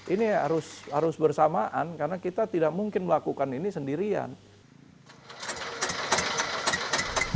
ini harus bersamaan karena kita tidak mungkin melakukan ini sendirian